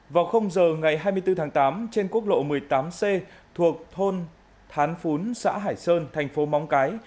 vào giờ ngày hai mươi bốn tháng tám trên quốc lộ một mươi tám c thuộc thôn thán phún xã hải sơn thành phố móng cái